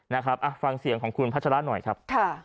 นะครับฟังเสียงของคุณพัชระหน่อยครับ